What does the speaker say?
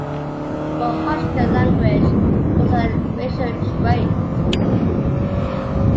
For Hodgkin, language was a racial trait.